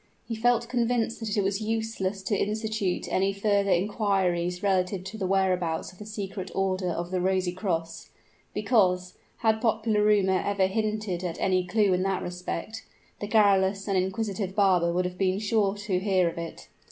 He felt convinced that it was useless to institute any further inquiries relative to the whereabouts of the secret Order of the Rosy Cross; because, had popular rumor ever hinted at any clew in that respect, the garrulous and inquisitive barber would have been sure to hear of it.